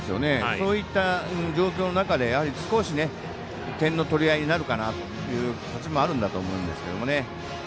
そういった状況の中でやはり、少し点の取り合いになるかなという節もあるんだと思いますけどね。